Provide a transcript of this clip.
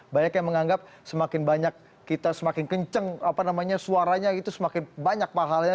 banyak yang menganggap semakin banyak kita semakin kencang apa namanya suaranya itu semakin banyak pahalanya